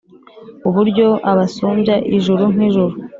uburyo abasumbya ijuru nk’ijuru